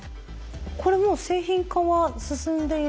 これもう製品化は進んでいる？